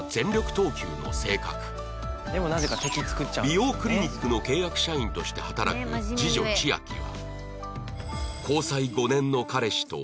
美容クリニックの契約社員として働く次女千秋は